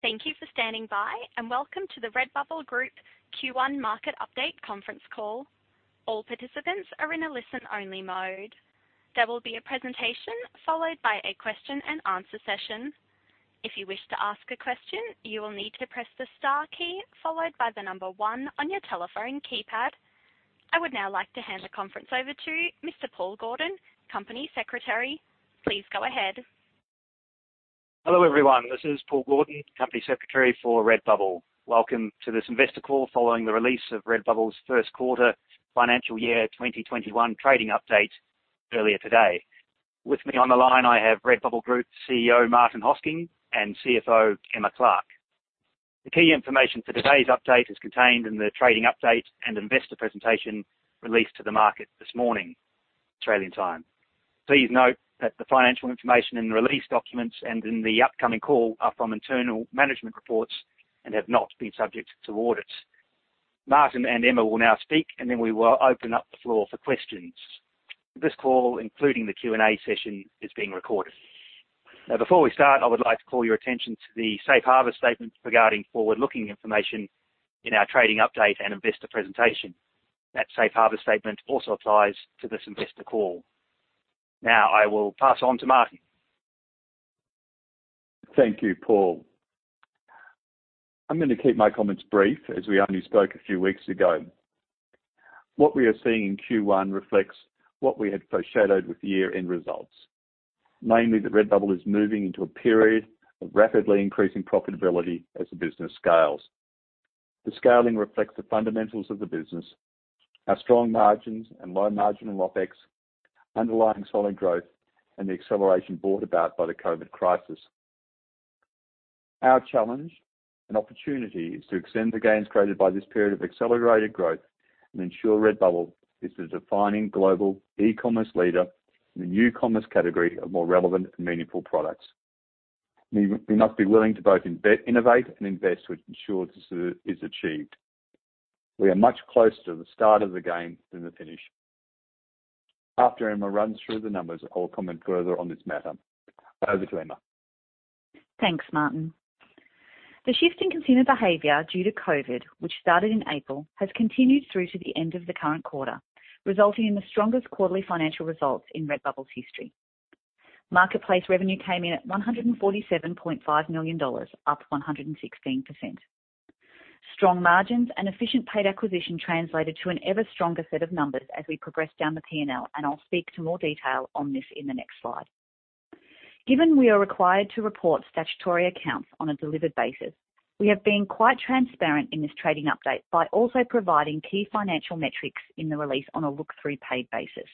Thank you for standing by and welcome to the Redbubble Group Q1 Market Update Conference Call. All participants are in a listen-only mode. There will be a presentation followed by a question and answer session. If you wish to ask a question you will need to press the star key followed by the number one on your telephone keypad. I would now like to hand the conference over to Mr. Paul Gordon, Company Secretary. Please go ahead. Hello everyone. This is Paul Gordon, Company Secretary for Redbubble. Welcome to this investor call following the release of Redbubble's first quarter financial year 2021 trading update earlier today. With me on the line, I have Redbubble Group CEO, Martin Hosking, and CFO, Emma Clark. The key information for today's update is contained in the trading update and investor presentation released to the market this morning, Australian time. Please note that the financial information in the release documents and in the upcoming call are from internal management reports and have not been subject to audit. Martin and Emma will now speak and then we will open up the floor for questions. This call, including the Q&A session, is being recorded. Before we start, I would like to call your attention to the safe harbor statement regarding forward-looking information in our trading update and investor presentation. That safe harbor statement also applies to this investor call. Now I will pass on to Martin. Thank you, Paul. I'm going to keep my comments brief as we only spoke a few weeks ago. What we are seeing in Q1 reflects what we had foreshadowed with year-end results. Namely that Redbubble is moving into a period of rapidly increasing profitability as the business scales. The scaling reflects the fundamentals of the business. Our strong margins and low marginal OPEX, underlying solid growth, and the acceleration brought about by the COVID crisis. Our challenge and opportunity is to extend the gains created by this period of accelerated growth and ensure Redbubble is the defining global e-commerce leader in the new commerce category of more relevant and meaningful products. We must be willing to both innovate and invest to ensure this is achieved. We are much closer to the start of the game than the finish. After Emma runs through the numbers, I'll comment further on this matter. Over to Emma. Thanks, Martin. The shift in consumer behavior due to COVID, which started in April, has continued through to the end of the current quarter, resulting in the strongest quarterly financial results in Redbubble's history. Marketplace revenue came in at 147.5 million dollars, up 116%. Strong margins and efficient paid acquisition translated to an ever stronger set of numbers as we progress down the P&L, and I'll speak to more detail on this in the next slide. Given we are required to report statutory accounts on a delivered basis, we have been quite transparent in this trading update by also providing key financial metrics in the release on a look-through paid basis.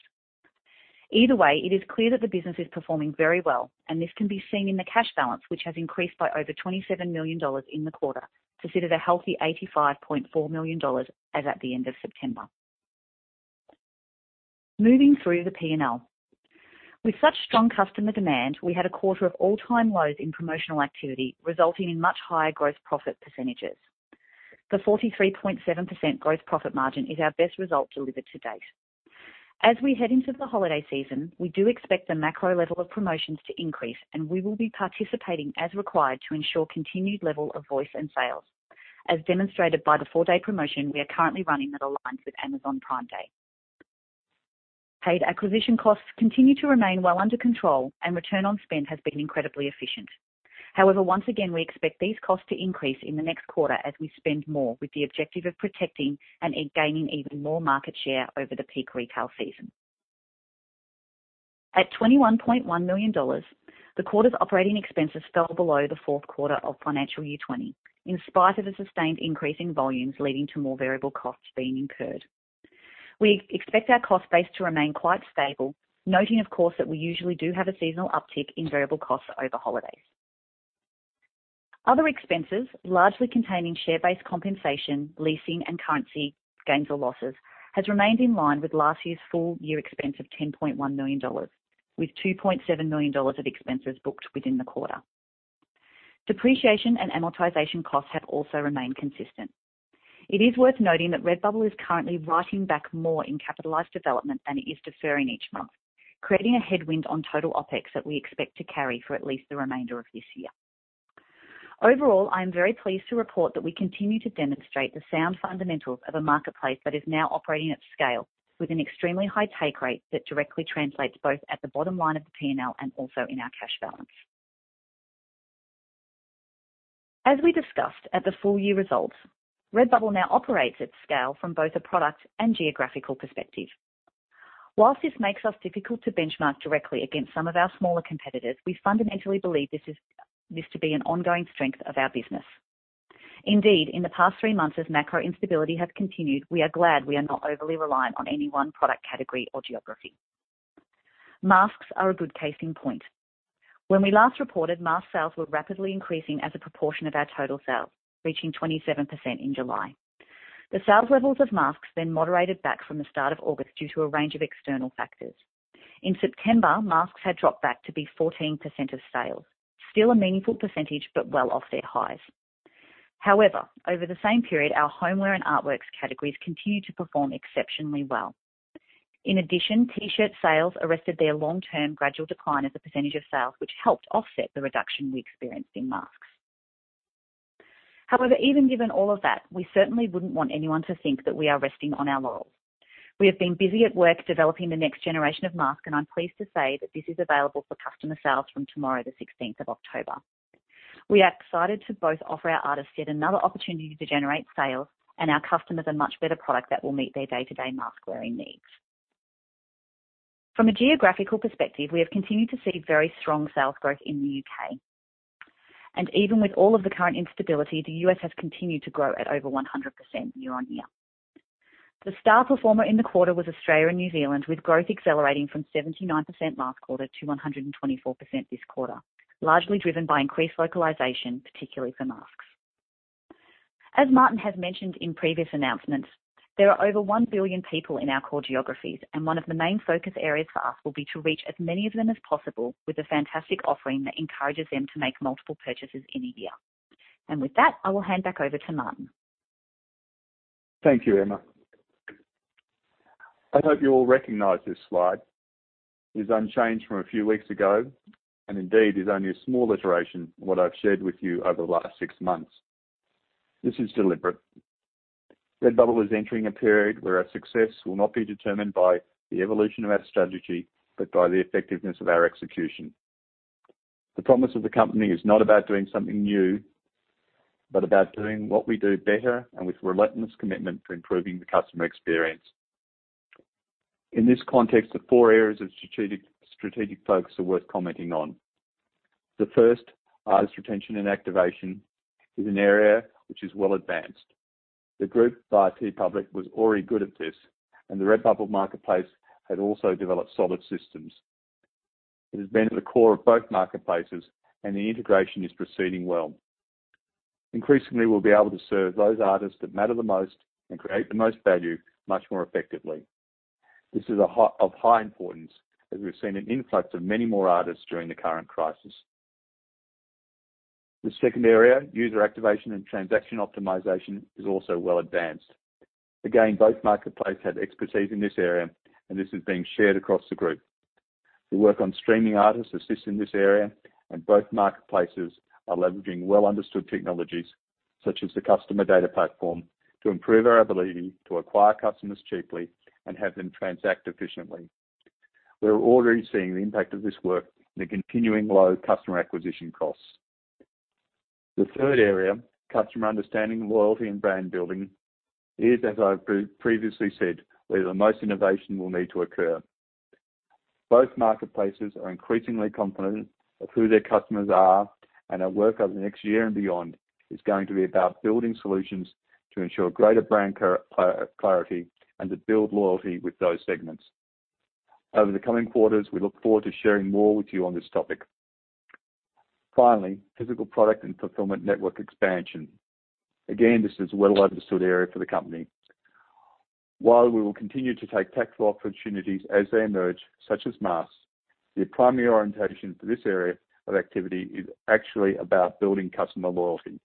Either way, it is clear that the business is performing very well, and this can be seen in the cash balance, which has increased by over 27 million dollars in the quarter to sit at a healthy 85.4 million dollars as at the end of September. Moving through the P&L. With such strong customer demand, we had a quarter of all-time lows in promotional activity, resulting in much higher gross profit percentages. The 43.7% gross profit margin is our best result delivered to date. As we head into the holiday season, we do expect the macro level of promotions to increase, and we will be participating as required to ensure continued level of voice and sales, as demonstrated by the four-day promotion we are currently running that aligns with Amazon Prime Day. Paid acquisition costs continue to remain well under control and return on spend has been incredibly efficient. However, once again, we expect these costs to increase in the next quarter as we spend more with the objective of protecting and gaining even more market share over the peak retail season. At 21.1 million dollars, the quarter's operating expenses fell below the fourth quarter of financial year 2020 in spite of the sustained increase in volumes leading to more variable costs being incurred. We expect our cost base to remain quite stable, noting of course that we usually do have a seasonal uptick in variable costs over holidays. Other expenses, largely containing share-based compensation, leasing, and currency gains or losses, has remained in line with last year's full-year expense of 10.1 million dollars, with 2.7 million dollars of expenses booked within the quarter. Depreciation and amortization costs have also remained consistent. It is worth noting that Redbubble is currently writing back more in capitalized development than it is deferring each month, creating a headwind on total OPEX that we expect to carry for at least the remainder of this year. Overall, I am very pleased to report that we continue to demonstrate the sound fundamentals of a marketplace that is now operating at scale with an extremely high take rate that directly translates both at the bottom line of the P&L and also in our cash balance. As we discussed at the full-year results, Redbubble now operates at scale from both a product and geographical perspective. Whilst this makes us difficult to benchmark directly against some of our smaller competitors, we fundamentally believe this to be an ongoing strength of our business. Indeed, in the past three months as macro instability has continued, we are glad we are not overly reliant on any one product category or geography. Masks are a good case in point. When we last reported, mask sales were rapidly increasing as a proportion of our total sales, reaching 27% in July. Sales levels of masks then moderated back from the start of August due to a range of external factors. In September, masks had dropped back to be 14% of sales. Still a meaningful percentage, but well off their highs. Over the same period, our homeware and artworks categories continued to perform exceptionally well. In addition, T-shirt sales arrested their long-term gradual decline as a percentage of sales, which helped offset the reduction we experienced in masks. Even given all of that, we certainly wouldn't want anyone to think that we are resting on our laurels. We have been busy at work developing the next generation of masks. I'm pleased to say that this is available for customer sales from tomorrow, the 16th of October. We are excited to both offer our artists yet another opportunity to generate sales and our customers a much better product that will meet their day-to-day mask-wearing needs. From a geographical perspective, we have continued to see very strong sales growth in the U.K. Even with all of the current instability, the U.S. has continued to grow at over 100% year-on-year. The star performer in the quarter was Australia and New Zealand, with growth accelerating from 79% last quarter to 124% this quarter, largely driven by increased localization, particularly for masks. As Martin has mentioned in previous announcements, there are over 1 billion people in our core geographies, one of the main focus areas for us will be to reach as many of them as possible with a fantastic offering that encourages them to make multiple purchases in a year. With that, I will hand back over to Martin. Thank you, Emma. I hope you all recognize this slide. It is unchanged from a few weeks ago, and indeed is only a small iteration of what I've shared with you over the last six months. This is deliberate. Redbubble is entering a period where our success will not be determined by the evolution of our strategy, but by the effectiveness of our execution. The promise of the company is not about doing something new, but about doing what we do better and with relentless commitment to improving the customer experience. In this context, the four areas of strategic focus are worth commenting on. The first, artist retention and activation, is an area which is well advanced. The group, by TeePublic, was already good at this, and the Redbubble marketplace had also developed solid systems. It has been at the core of both marketplaces, and the integration is proceeding well. Increasingly, we'll be able to serve those artists that matter the most and create the most value much more effectively. This is of high importance, as we've seen an influx of many more artists during the current crisis. The second area, user activation and transaction optimization, is also well advanced. Again, both marketplaces had expertise in this area, and this is being shared across the group. The work on streaming artists assists in this area, and both marketplaces are leveraging well-understood technologies such as the customer data platform to improve our ability to acquire customers cheaply and have them transact efficiently. We're already seeing the impact of this work in the continuing low customer acquisition costs. The third area, customer understanding, loyalty, and brand building, is, as I've previously said, where the most innovation will need to occur. Both marketplaces are increasingly confident of who their customers are. Our work over the next year and beyond is going to be about building solutions to ensure greater brand clarity and to build loyalty with those segments. Over the coming quarters, we look forward to sharing more with you on this topic. Finally, physical product and fulfillment network expansion. Again, this is a well-understood area for the company. While we will continue to take tactical opportunities as they emerge, such as masks, the primary orientation for this area of activity is actually about building customer loyalty.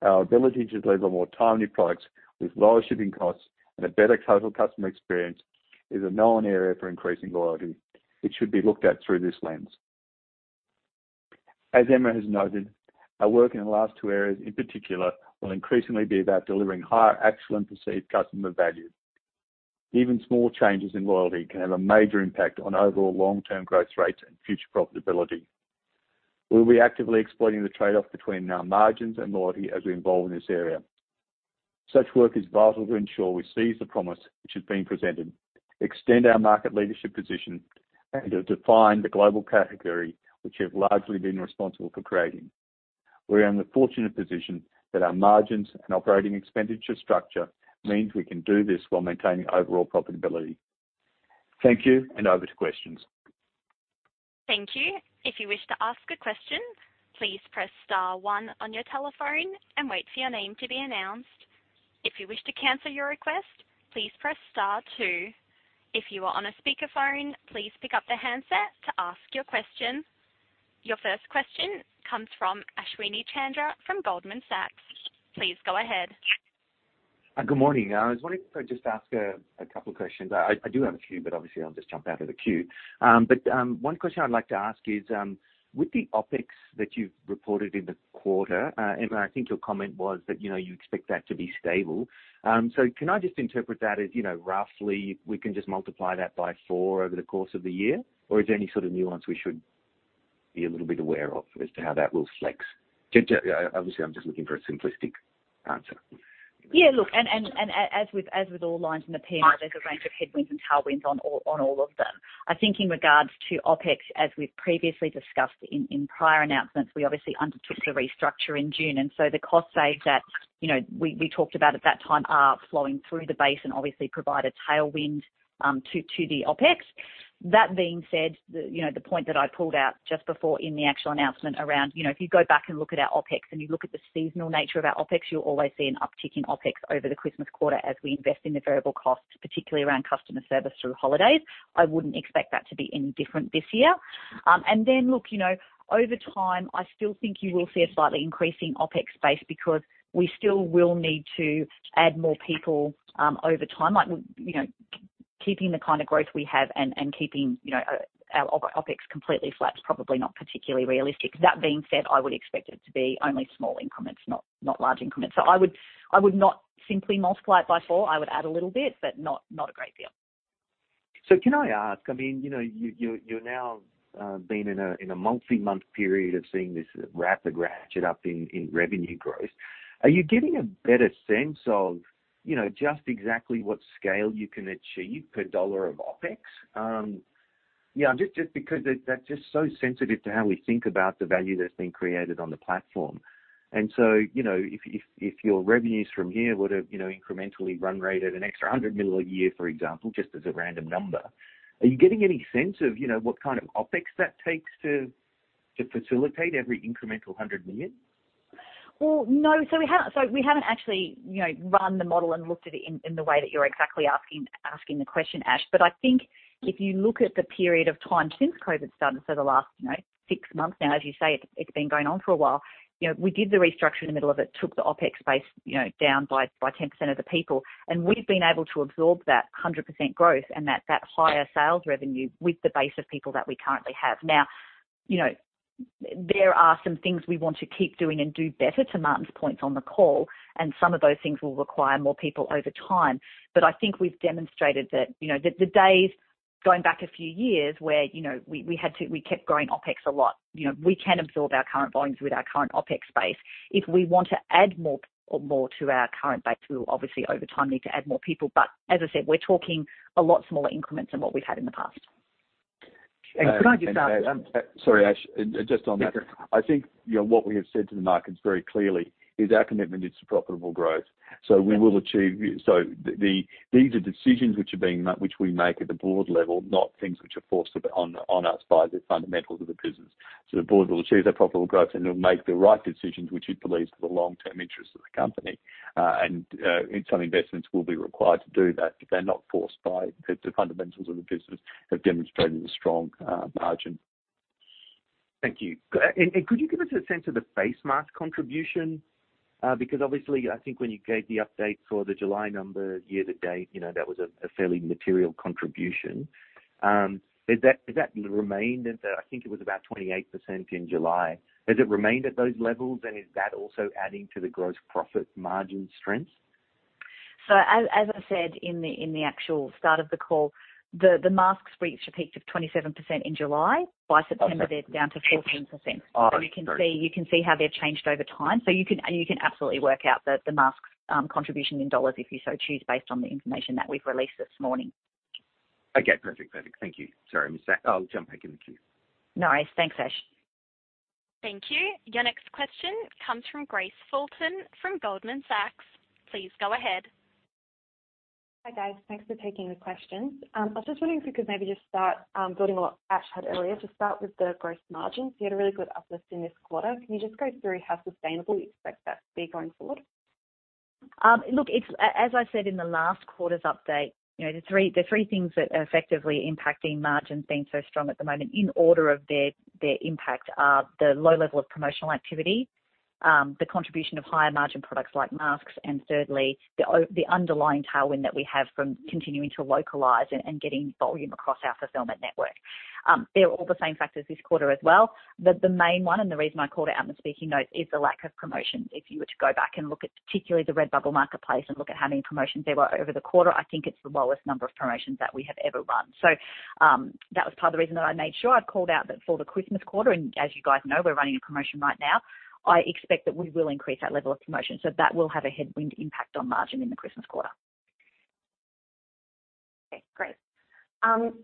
Our ability to deliver more timely products with lower shipping costs and a better total customer experience is a known area for increasing loyalty, which should be looked at through this lens. As Emma has noted, our work in the last two areas in particular will increasingly be about delivering higher actual and perceived customer value. Even small changes in loyalty can have a major impact on overall long-term growth rates and future profitability. We'll be actively exploiting the trade-off between our margins and loyalty as we evolve in this area. Such work is vital to ensure we seize the promise which has been presented, extend our market leadership position, and to define the global category which we have largely been responsible for creating. We are in the fortunate position that our margins and operating expenditure structure means we can do this while maintaining overall profitability. Thank you, and over to questions. Thank you. If you wish to ask a question, please press star one on your telephone and wait for your name to be announced. If you wish to cancel your request, please press star two. If you are on a speakerphone, please pick up the handset to ask your question. Your first question comes from Ashwini Chandra from Goldman Sachs. Please go ahead. Good morning. I was wondering if I could just ask a couple questions. I do have a few, but obviously, I'll just jump out of the queue. One question I'd like to ask is, with the OpEx that you've reported in the quarter, Emma, I think your comment was that you expect that to be stable. Can I just interpret that as roughly we can just multiply that by four over the course of the year? Is there any sort of nuance we should be a little bit aware of as to how that will flex? Obviously, I'm just looking for a simplistic answer. Yeah, look, as with all lines in the P&L, there's a range of headwinds and tailwinds on all of them. I think in regards to OpEx, as we've previously discussed in prior announcements, we obviously undertook the restructure in June, and so the cost save that we talked about at that time are flowing through the base and obviously provide a tailwind to the OpEx. That being said, the point that I pulled out just before in the actual announcement around if you go back and look at our OpEx and you look at the seasonal nature of our OpEx, you'll always see an uptick in OpEx over the Christmas quarter as we invest in the variable costs, particularly around customer service through holidays. I wouldn't expect that to be any different this year. Look, over time, I still think you will see a slightly increasing OpEx base because we still will need to add more people over time. Like, you know, Keeping the kind of growth we have and keeping our OpEx completely flat is probably not particularly realistic. That being said, I would expect it to be only small increments, not large increments. I would not simply multiply it by four. I would add a little bit, but not a great deal. Can I ask, you're now been in a multi-month period of seeing this rapid ratchet up in revenue growth. Are you getting a better sense of just exactly what scale you can achieve per dollar of OpEx? Yeah, just because that's just so sensitive to how we think about the value that's being created on the platform. If your revenues from here were to incrementally run rate at an extra 100 million a year, for example, just as a random number, are you getting any sense of what kind of OpEx that takes to facilitate every incremental 100 million? No. We haven't actually run the model and looked at it in the way that you're exactly asking the question, Ash. I think if you look at the period of time since COVID started, so the last six months now, as you say, it's been going on for a while. We did the restructure in the middle of it, took the OpEx base down by 10% of the people, and we've been able to absorb that 100% growth and that higher sales revenue with the base of people that we currently have. There are some things we want to keep doing and do better, to Martin's point on the call, and some of those things will require more people over time. I think we've demonstrated that the days, going back a few years, where we kept growing OpEx a lot. We can absorb our current volumes with our current OpEx base. If we want to add more to our current base, we will obviously over time need to add more people. As I said, we're talking a lot smaller increments than what we've had in the past. Could I just ask? Sorry, Ash, just on that. Yes. I think what we have said to the markets very clearly is our commitment is to profitable growth. These are decisions which we make at the board level, not things which are forced on us by the fundamentals of the business. The board will achieve that profitable growth. They'll make the right decisions which it believes are the long-term interest of the company. Some investments will be required to do that. They're not forced by the fundamentals of the business have demonstrated a strong margin. Thank you. Could you give us a sense of the face mask contribution? Obviously, I think when you gave the update for the July number year to date, that was a fairly material contribution. I think it was about 28% in July. Has it remained at those levels, is that also adding to the gross profit margin strength? As I said in the actual start of the call, the masks reached a peak of 27% in July. By September, they're down to 14%. You can see how they've changed over time. You can absolutely work out the masks' contribution in AUD if you so choose, based on the information that we've released this morning. Okay, perfect. Thank you. Sorry, I missed that. I'll jump back in the queue. No worries. Thanks, Ash. Thank you. Your next question comes from Grace Fulton from Goldman Sachs. Please go ahead. Hi, guys. Thanks for taking the questions. I was just wondering if you could maybe just start building on what Ash said earlier. To start with the gross margins, you had a really good uplift in this quarter. Can you just go through how sustainable you expect that to be going forward? Look, as I said in the last quarter's update, the three things that are effectively impacting margins being so strong at the moment in order of their impact are the low level of promotional activity, the contribution of higher-margin products like masks, and thirdly, the underlying tailwind that we have from continuing to localize and getting volume across our fulfillment network. They're all the same factors this quarter as well. The main one, and the reason I called it out in the speaking notes, is the lack of promotions. If you were to go back and look at particularly the Redbubble marketplace and look at how many promotions there were over the quarter, I think it's the lowest number of promotions that we have ever run. That was part of the reason that I made sure I'd called out that for the Christmas quarter, and as you guys know, we're running a promotion right now. I expect that we will increase that level of promotion. That will have a headwind impact on margin in the Christmas quarter. Okay, great.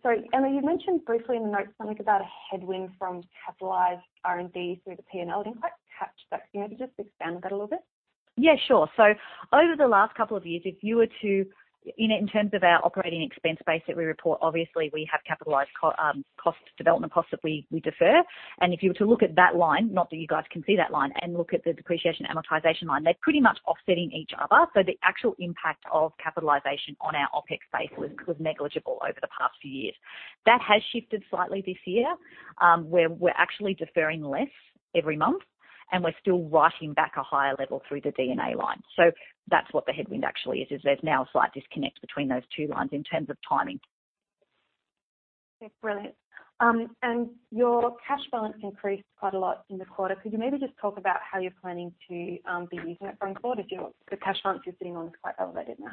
Sorry, Emma, you mentioned briefly in the notes something about a headwind from capitalized R&D through the P&L. I didn't quite catch that. Can you just expand on that a little bit? Yeah, sure. Over the last couple of years, in terms of our operating expense base that we report, obviously, we have capitalized development costs that we defer. If you were to look at that line, not that you guys can see that line, and look at the depreciation amortization line, they're pretty much offsetting each other. The actual impact of capitalization on our OpEx base was negligible over the past few years. That has shifted slightly this year, where we're actually deferring less every month, and we're still writing back a higher level through the D&A line. That's what the headwind actually is. There's now a slight disconnect between those two lines in terms of timing. Okay, brilliant. Your cash balance increased quite a lot in the quarter. Could you maybe just talk about how you're planning to be using it going forward if the cash balance you're sitting on is quite elevated now?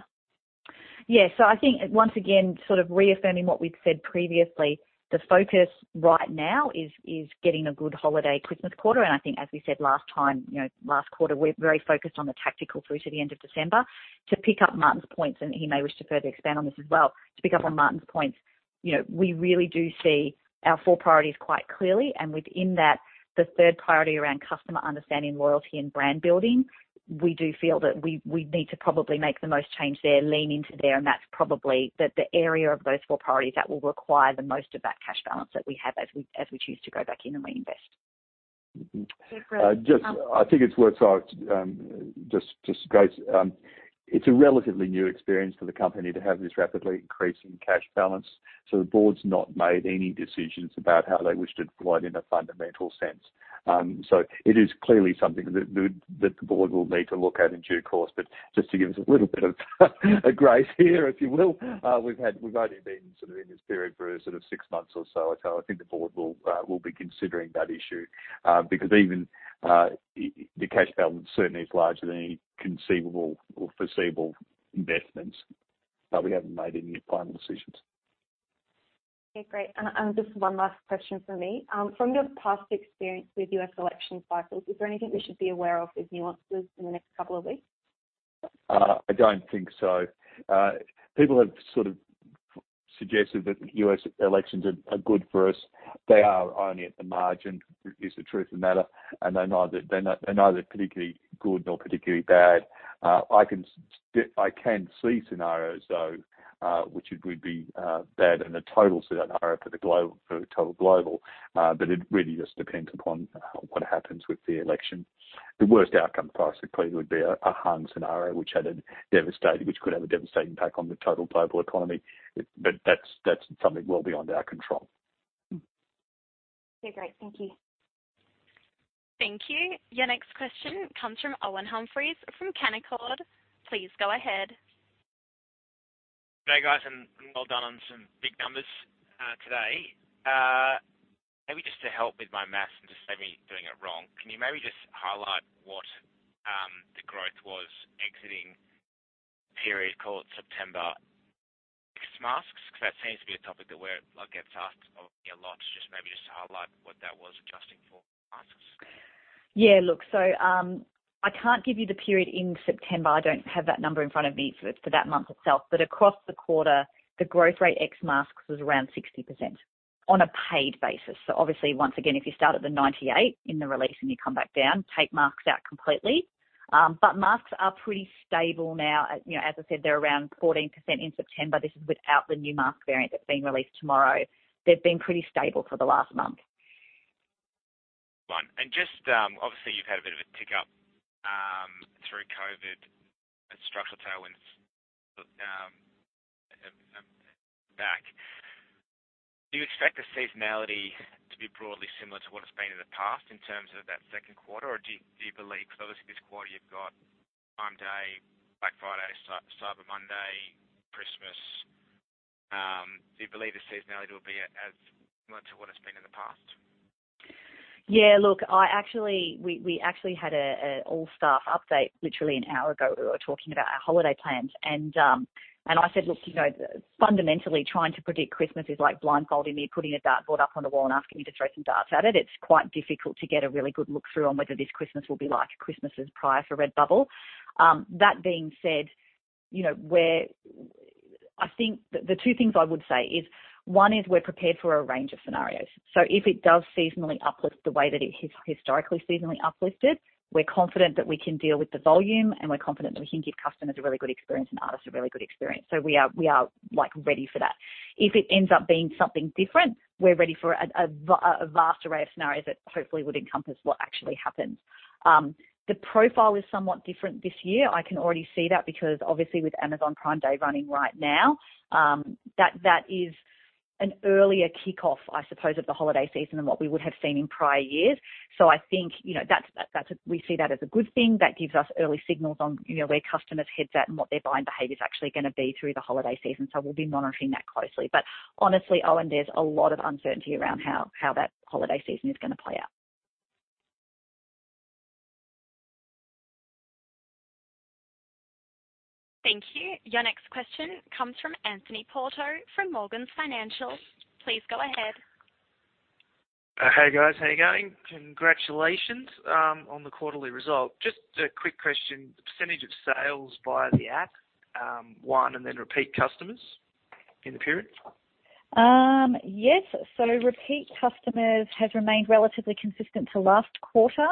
Yeah. I think once again, sort of reaffirming what we've said previously, the focus right now is getting a good holiday Christmas quarter. I think as we said last time, last quarter, we're very focused on the tactical through to the end of December to pick up Martin's points, and he may wish to further expand on this as well. To pick up on Martin's points, we really do see our four priorities quite clearly, and within that, the third priority around customer understanding, loyalty, and brand building. We do feel that we need to probably make the most change there, lean into there, and that's probably the area of those four priorities that will require the most of that cash balance that we have as we choose to go back in and reinvest. I think it's worth just. It's a relatively new experience for the company to have this rapidly increasing cash balance. The board's not made any decisions about how they wish to deploy it in a fundamental sense. It is clearly something that the board will need to look at in due course. Just to give us a little bit of grace here, if you will. We've only been sort of in this period for six months or so. I think the board will be considering that issue, because even the cash balance certainly is larger than any conceivable or foreseeable investments, but we haven't made any final decisions. Okay, great. Just one last question from me. From your past experience with U.S. election cycles, is there anything we should be aware of as nuances in the next couple of weeks? I don't think so. People have sort of suggested that U.S. elections are good for us. They are only at the margin, is the truth of the matter, and they're neither particularly good nor particularly bad. I can see scenarios, though, which would be bad in a total scenario for the total global, it really just depends upon what happens with the election. The worst outcome possibly would be a hung scenario, which could have a devastating impact on the total global economy. That's something well beyond our control. Okay, great. Thank you. Thank you. Your next question comes from Owen Humphries from Canaccord. Please go ahead. Hey, guys, well done on some big numbers today. Maybe just to help with my math and to save me doing it wrong, can you maybe just highlight what the growth was exiting period called September ex masks? That seems to be a topic that I get asked probably a lot. Maybe just to highlight what that was adjusting for masks. Look, so, I can't give you the period in September. I don't have that number in front of me for that month itself. Across the quarter, the growth rate ex masks was around 60% on a paid basis. Obviously, once again, if you start at the 98 in the release and you come back down, take masks out completely. Masks are pretty stable now. As I said, they're around 14% in September. This is without the new mask variant that's being released tomorrow. They've been pretty stable for the last month. Right. Just, obviously, you've had a bit of a tick-up through COVID and structural tailwinds back. Do you expect the seasonality to be broadly similar to what it's been in the past in terms of that second quarter? Do you believe, because obviously this quarter you've got Prime Day, Black Friday, Cyber Monday, Christmas, do you believe the seasonality will be as similar to what it's been in the past? Yeah, look, we actually had an all-staff update literally an hour ago. We were talking about our holiday plans. I said, look, fundamentally, trying to predict Christmas is like blindfolding me, putting a dartboard up on the wall, and asking me to throw some darts at it. It's quite difficult to get a really good look through on whether this Christmas will be like Christmases prior for Redbubble. That being said, I think the two things I would say is, one is we're prepared for a range of scenarios. If it does seasonally uplift the way that it has historically seasonally uplifted, we're confident that we can deal with the volume. We're confident that we can give customers a really good experience and artists a really good experience. We are ready for that. If it ends up being something different, we're ready for a vast array of scenarios that hopefully would encompass what actually happens. The profile is somewhat different this year. I can already see that because obviously with Amazon Prime Day running right now, that is an earlier kickoff, I suppose, of the holiday season than what we would have seen in prior years. I think we see that as a good thing. That gives us early signals on where customers' heads at and what their buying behavior is actually going to be through the holiday season. We'll be monitoring that closely. Honestly, Owen, there's a lot of uncertainty around how that holiday season is going to play out. Thank you. Your next question comes from Anthony Porto from Morgans Financial. Please go ahead. Hey, guys. How you going? Congratulations on the quarterly result. Just a quick question. The percentage of sales via the app, one, and then repeat customers in the period? Yes. Repeat customers have remained relatively consistent to last quarter.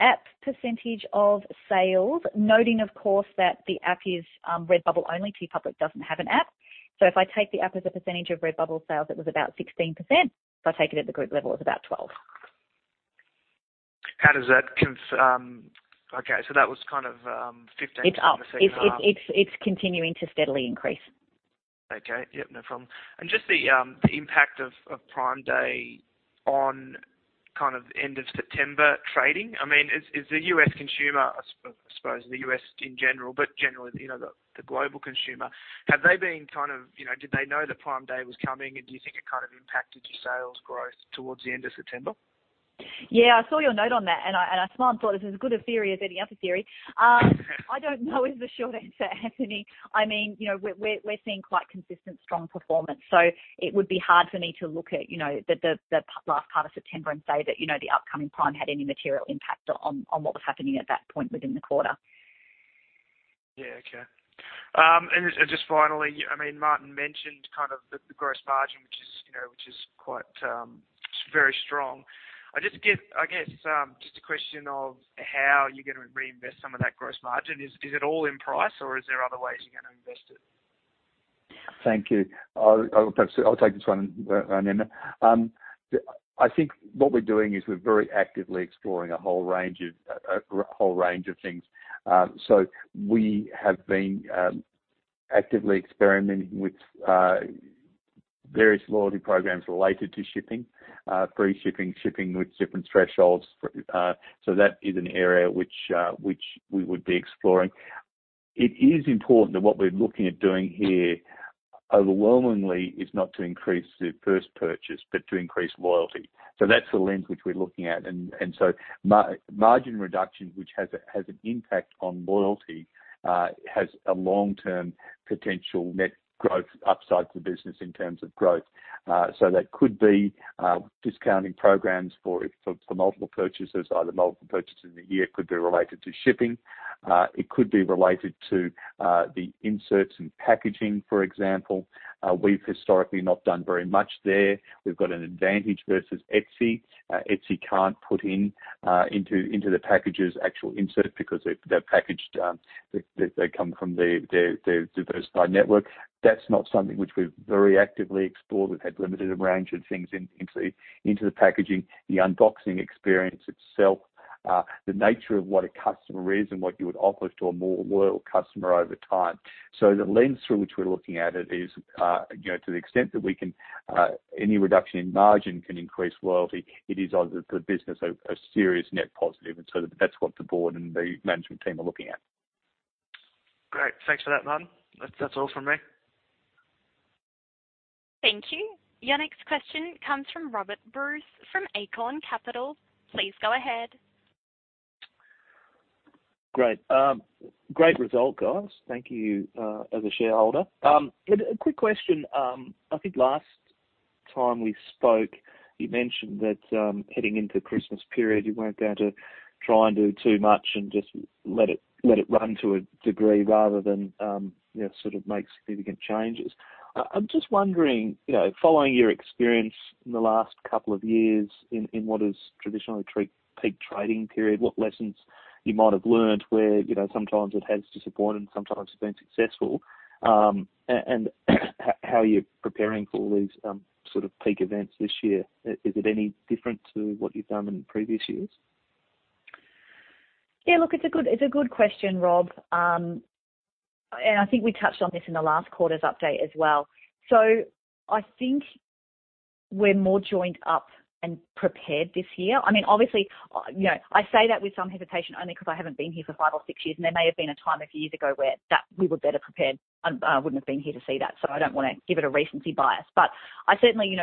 App percentage of sales, noting, of course, that the app is Redbubble only. TeePublic doesn't have an app. If I take the app as a percentage of Redbubble sales, it was about 16%. If I take it at the group level, it's about 12%. How does that. Okay, that was kind of 15%. It's up. It's continuing to steadily increase. Okay. Yep, no problem. Just the impact of Prime Day on kind of end of September trading. Is the U.S. consumer, I suppose the U.S. in general, but generally, the global consumer, did they know that Prime Day was coming, and do you think it kind of impacted your sales growth towards the end of September? Yeah, I saw your note on that, and I smiled and thought, this is as good a theory as any other theory. I don't know is the short answer, Anthony. We're seeing quite consistent, strong performance. It would be hard for me to look at the last part of September and say that the upcoming Prime had any material impact on what was happening at that point within the quarter. Yeah, okay. Just finally, Martin mentioned kind of the gross margin, which is very strong. I guess just a question of how you're going to reinvest some of that gross margin. Is it all in price, or is there other ways you're going to invest? Thank you. I'll take this one, Emma. I think what we're doing is we're very actively exploring a whole range of things. We have been actively experimenting with various loyalty programs related to shipping, free shipping with different thresholds. That is an area which we would be exploring. It is important that what we're looking at doing here overwhelmingly is not to increase the first purchase, but to increase loyalty. That's the lens which we're looking at. Margin reduction, which has an impact on loyalty, has a long-term potential net growth upside to the business in terms of growth. That could be discounting programs for multiple purchases. Either multiple purchases in a year, could be related to shipping. It could be related to the inserts and packaging, for example. We've historically not done very much there. We've got an advantage versus Etsy. Etsy can't put into the packages actual inserts because their package, they come from their third-party network. That's not something which we've very actively explored. We've had limited range of things into the packaging, the unboxing experience itself, the nature of what a customer is and what you would offer to a more loyal customer over time. The lens through which we're looking at it is, to the extent that any reduction in margin can increase loyalty, it is the business a serious net positive. That's what the board and the management team are looking at. Great. Thanks for that, Martin. That's all from me. Thank you. Your next question comes from Robert Bruce from Acorn Capital. Please go ahead. Great. Great result, guys. Thank you, as a shareholder. A quick question. I think last time we spoke, you mentioned that heading into the Christmas period, you weren't going to try and do too much and just let it run to a degree rather than sort of make significant changes. I'm just wondering, following your experience in the last couple of years in what is traditionally a peak trading period, what lessons you might have learned where sometimes it has disappointed and sometimes it's been successful, and how you're preparing for all these sort of peak events this year. Is it any different to what you've done in previous years? Yeah, look, it's a good question, Rob. I think we touched on this in the last quarter's update as well. I think we're more joined up and prepared this year. Obviously, I say that with some hesitation only because I haven't been here for five or six years, and there may have been a time a few years ago where we were better prepared, and I wouldn't have been here to see that. I don't want to give it a recency bias.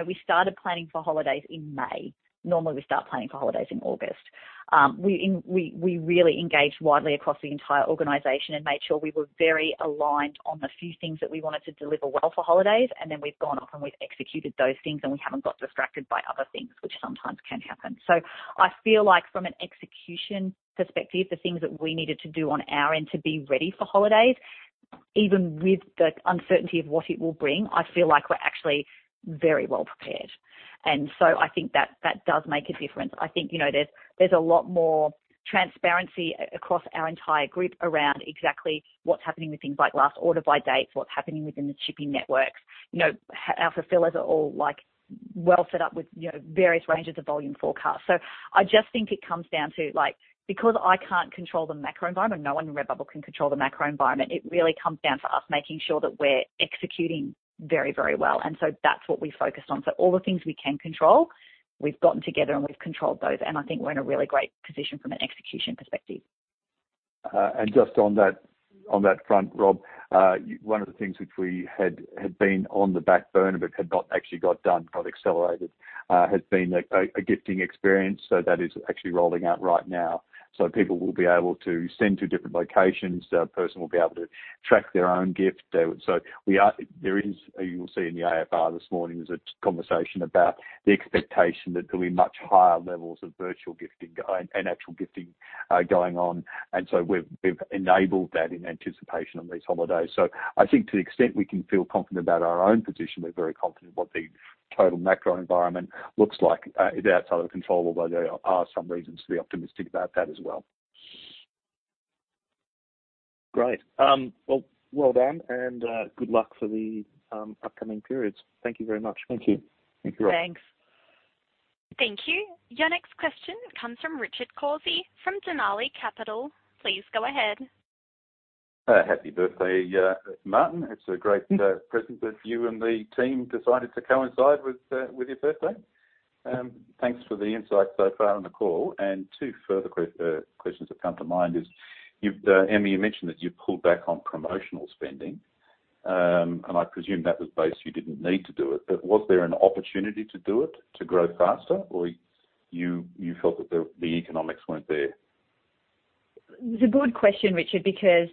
We started planning for holidays in May. Normally, we start planning for holidays in August. We really engaged widely across the entire organization and made sure we were very aligned on the few things that we wanted to deliver well for holidays, and then we've gone off, and we've executed those things, and we haven't got distracted by other things, which sometimes can happen. I feel like from an execution perspective, the things that we needed to do on our end to be ready for holidays, even with the uncertainty of what it will bring, I feel like we're actually very well-prepared. I think that does make a difference. I think there's a lot more transparency across our entire group around exactly what's happening with things like last order by dates, what's happening within the shipping networks. Our fulfillers are all well set up with various ranges of volume forecasts. I just think it comes down to, because I can't control the macro environment, no one in Redbubble can control the macro environment. It really comes down to us making sure that we're executing very well. That's what we focused on. All the things we can control, we've gotten together and we've controlled those. I think we're in a really great position from an execution perspective. Just on that front, Rob, one of the things which had been on the back burner but had not actually got done, got accelerated, has been a gifting experience. That is actually rolling out right now. People will be able to send to different locations. A person will be able to track their own gift. You'll see in the AFR this morning, there's a conversation about the expectation that there'll be much higher levels of virtual gifting and actual gifting going on. We've enabled that in anticipation of these holidays. I think to the extent we can feel confident about our own position, we're very confident what the total macro environment looks like is outside of the control, although there are some reasons to be optimistic about that as well. Great. Well done, and good luck for the upcoming periods. Thank you very much. Thank you. Thank you, Rob. Thanks. Thank you. Your next question comes from Richard Cawsey from Denali Capital. Please go ahead. Happy birthday, Martin. It's a great present that you and the team decided to coincide with your birthday. Thanks for the insight so far on the call. Two further questions that come to mind is, Emma, you mentioned that you've pulled back on promotional spending. I presume that was based you didn't need to do it. Was there an opportunity to do it to grow faster? You felt that the economics weren't there? It's a good question, Richard, because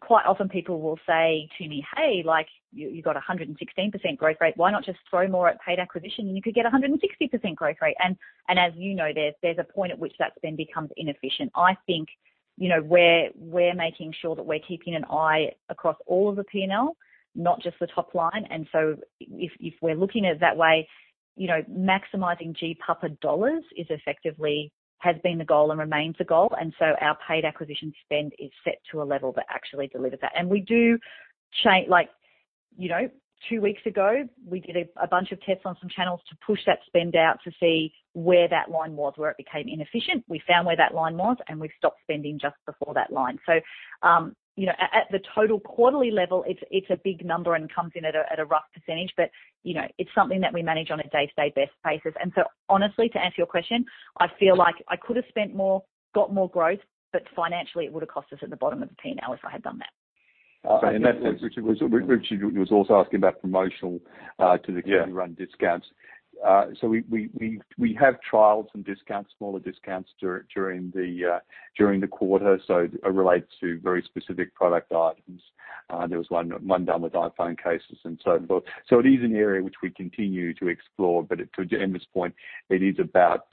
quite often people will say to me, "Hey, you've got 116% growth rate. Why not just throw more at paid acquisition and you could get 160% growth rate?" As you know, there's a point at which that then becomes inefficient. I think we're making sure that we're keeping an eye across all of the P&L, not just the top line. If we're looking at it that way, maximizing GPAPA dollars effectively has been the goal and remains the goal. Our paid acquisition spend is set to a level that actually delivers that. Two weeks ago, we did a bunch of tests on some channels to push that spend out to see where that line was, where it became inefficient. We found where that line was, and we've stopped spending just before that line. At the total quarterly level, it's a big number and comes in at a rough percentage, but it's something that we manage on a day-to-day basis. Honestly, to answer your question, I feel like I could've spent more, got more growth, but financially, it would've cost us at the bottom of the P&L if I had done that. Richard was also asking about promotional. Yeah degree you run discounts. We have trials and smaller discounts during the quarter. It relates to very specific product items. There was one done with iPhone cases and so on. It is an area which we continue to explore, but to Emma's point, it is about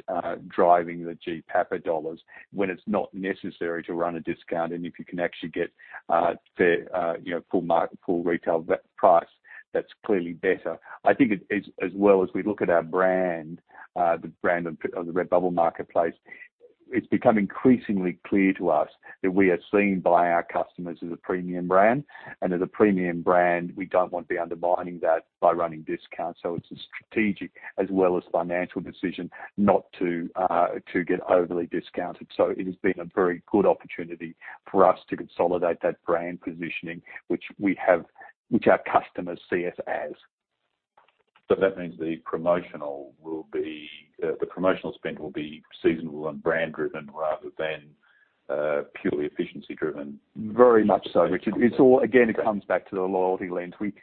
driving the GPAPA dollars when it's not necessary to run a discount. If you can actually get fair, full market, full retail price, that's clearly better. I think as well as we look at our brand, the brand of the Redbubble marketplace, it's become increasingly clear to us that we are seen by our customers as a premium brand. As a premium brand, we don't want to be undermining that by running discounts. It's a strategic as well as financial decision not to get overly discounted. It has been a very good opportunity for us to consolidate that brand positioning, which our customers see us as. That means the promotional spend will be seasonal and brand-driven rather than purely efficiency-driven. Very much so, Richard. It comes back to the loyalty lens. We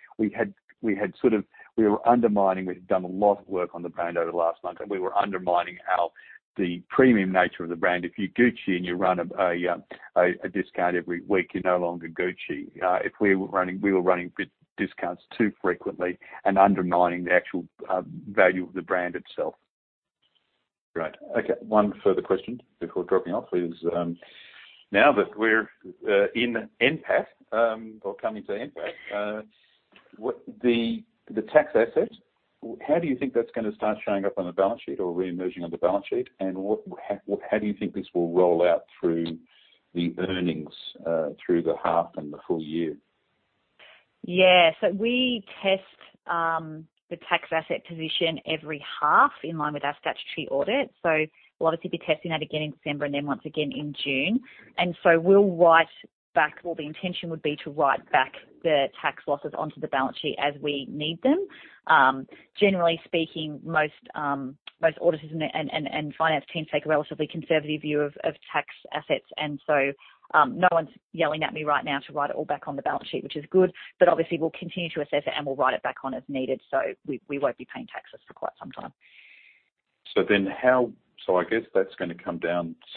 were undermining. We've done a lot of work on the brand over the last month, and we were undermining the premium nature of the brand. If you're Gucci and you run a discount every week, you're no longer Gucci. We were running discounts too frequently and undermining the actual value of the brand itself. Right. Okay. One further question before dropping off is, now that we're in NPAT or coming to NPAT, the tax asset, how do you think that's going to start showing up on the balance sheet or re-emerging on the balance sheet? How do you think this will roll out through the earnings through the half and the full year? Yeah. We test the tax asset position every half in line with our statutory audit. We'll obviously be testing that again in December and then once again in June. We'll write back, or the intention would be to write back the tax losses onto the balance sheet as we need them. Generally speaking, most auditors and finance teams take a relatively conservative view of tax assets. No one's yelling at me right now to write it all back on the balance sheet, which is good. Obviously, we'll continue to assess it, and we'll write it back on as needed. We won't be paying taxes for quite some time.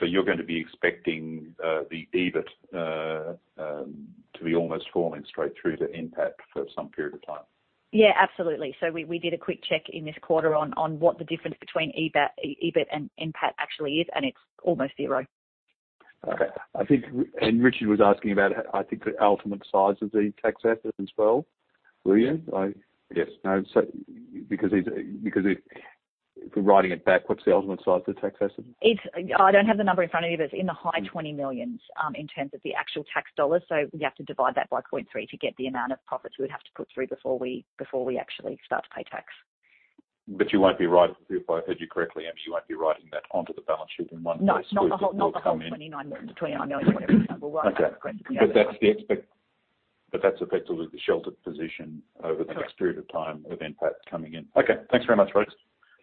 You're going to be expecting the EBIT to be almost falling straight through to NPAT for some period of time. Yeah, absolutely. We did a quick check in this quarter on what the difference between EBIT and NPAT actually is, and it's almost zero. Okay. Richard was asking about, I think, the ultimate size of the tax asset as well. Were you? Yes. If we're writing it back, what's the ultimate size of the tax asset? I don't have the number in front of me, but it's in the high 20 million in terms of the actual tax dollars. You have to divide that by 0.3 to get the amount of profits we would have to put through before we actually start to pay tax. If I heard you correctly, Emma, you won't be writing that onto the balance sheet. No. Not. sweep. Not the whole 29 million, whatever the number was. Okay. That's effectively the sheltered position over the- Correct next period of time with NPAT coming in. Okay. Thanks very much,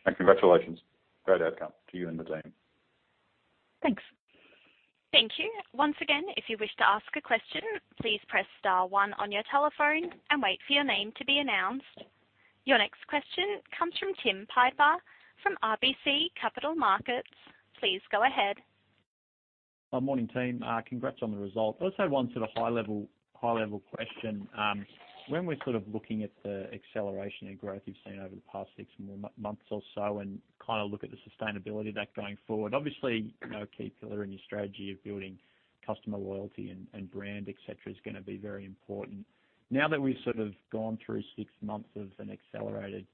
folks. Congratulations. Great outcome to you and the team. Thanks. Thank you. Once again, if you wish to ask a question, please press star one on your telephone and wait for your name to be announced. Your next question comes from Tim Piper from RBC Capital Markets. Please go ahead. Morning, team. Congrats on the result. I just have one sort of high-level question. When we're looking at the acceleration in growth we've seen over the past six months or so, and look at the sustainability of that going forward, obviously, a key pillar in your strategy of building customer loyalty and brand, et cetera, is going to be very important. Now that we've gone through six months of an accelerated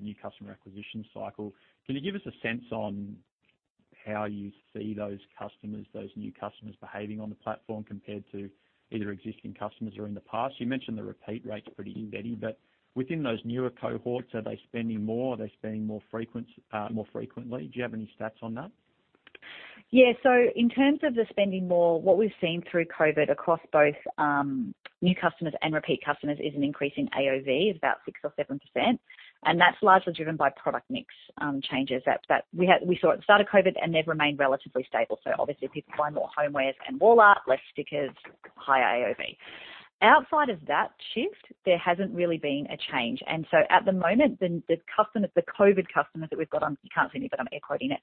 new customer acquisition cycle, can you give us a sense on how you see those new customers behaving on the platform compared to either existing customers or in the past? You mentioned the repeat rate's pretty embedded, but within those newer cohorts, are they spending more? Are they spending more frequently? Do you have any stats on that? Yeah. In terms of the spending more, what we've seen through COVID across both new customers and repeat customers is an increase in AOV of about 6% or 7%, and that's largely driven by product mix changes that we saw at the start of COVID, and they've remained relatively stable. Obviously, if people buy more homewares and wall art, less stickers, higher AOV. Outside of that shift, there hasn't really been a change. At the moment, the COVID customers that we've got on, you can't see me, but I'm air quoting it,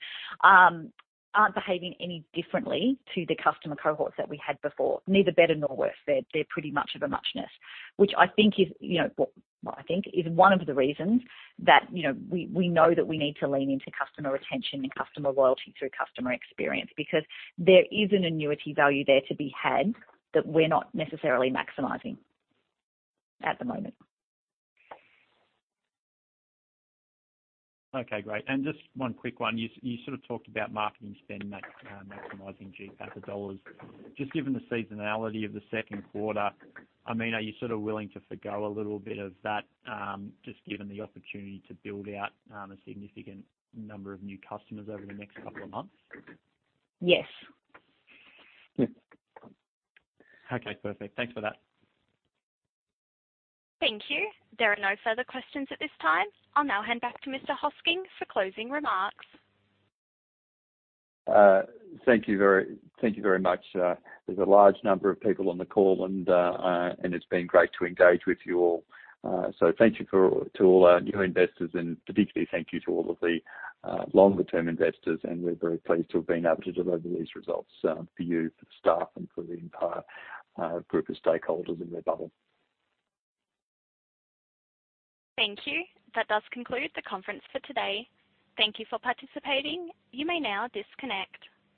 aren't behaving any differently to the customer cohorts that we had before. Neither better nor worse. They're pretty much of a muchness. I think is one of the reasons that we know that we need to lean into customer retention and customer loyalty through customer experience, because there is an annuity value there to be had that we're not necessarily maximizing at the moment. Okay, great. Just one quick one. You sort of talked about marketing spend, maximizing GPAPA AUD. Just given the seasonality of the second quarter, are you willing to forgo a little bit of that, just given the opportunity to build out a significant number of new customers over the next couple of months? Yes. Okay, perfect. Thanks for that. Thank you. There are no further questions at this time. I'll now hand back to Mr. Hosking for closing remarks. Thank you very much. There's a large number of people on the call, and it's been great to engage with you all. Thank you to all our new investors, and particularly thank you to all of the longer-term investors, and we're very pleased to have been able to deliver these results for you, for the staff, and for the entire group of stakeholders in Redbubble. Thank you. That does conclude the conference for today. Thank you for participating. You may now disconnect.